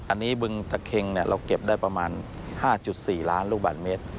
อันนี้บึงตะเค็งเราเก็บได้ประมาณ๕๔ล้านลูกบาทเมตร